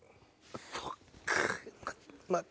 そっか。